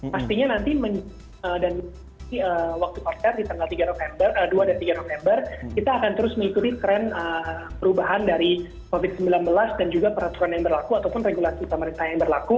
pastinya nanti dan waktu konser di tanggal dua dan tiga november kita akan terus mengikuti tren perubahan dari covid sembilan belas dan juga peraturan yang berlaku ataupun regulasi pemerintah yang berlaku